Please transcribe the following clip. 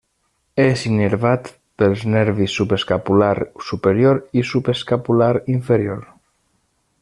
És innervat pels nervis subescapular superior i subescapular inferior.